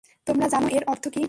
তোমরা জানো এর অর্থ কী?